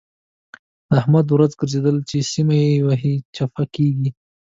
د احمد ورځ ګرځېدل ده؛ چې سمه يې وهي - چپه کېږي.